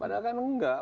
padahal kan enggak